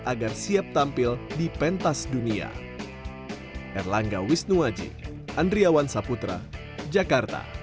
agar siap tampil di pentas dunia